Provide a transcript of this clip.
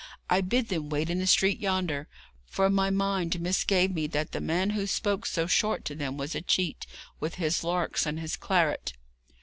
'I bid them wait in the street yonder, for my mind misgave me that the man who spoke so short to them was a cheat, with his larks and his claret.'